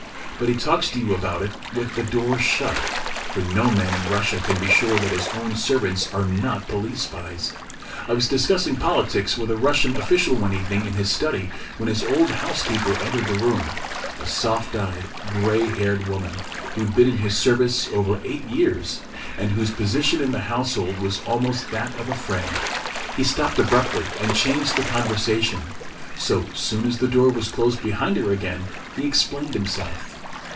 But he talks to you about it with the door shut, for no man in Russia can be sure that his own servants are not police spies. I was discussing politics with a Russian official one evening in his study when his old housekeeper entered the room—a soft eyed grey haired woman who had been in his service over eight years, and whose position in the household was almost that of a friend. He stopped abruptly and changed the conversation. So soon as the door was closed behind her again, he explained himself.